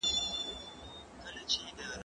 زه به سړو ته خواړه ورکړي وي،